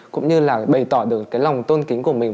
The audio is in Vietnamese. cũng như là bày tỏ được cái lòng tôn kính của mình